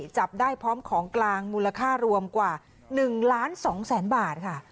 จับได้พร้อมของกลางมูลค่ารวมกว่า๑ล้าน๒แสนบาทค่ะ